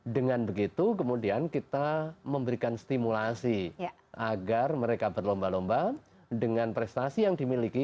dengan begitu kemudian kita memberikan stimulasi agar mereka berlomba lomba dengan prestasi yang dimiliki